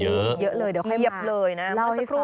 เยอะเลยเดี๋ยวให้มาเล่าให้ฟังเตรียบเลยนะมาสักครู่